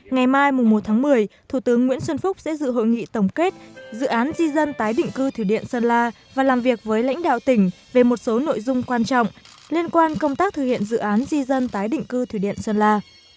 ngày mai một tháng một mươi thủ tướng nguyễn xuân phúc sẽ dự hội nghị tổng kết dự án di dân tái định cư thủy điện sơn la và làm việc với lãnh đạo tỉnh về một số nội dung quan trọng liên quan công tác thực hiện dự án di dân tái định cư thủy điện sơn la